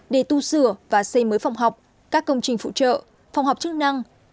để tu sửa và xây mới phòng học các công trình phụ trợ phòng học chức năng